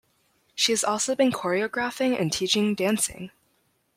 She has also been choreographing and teaching dancing.